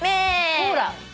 コーラ。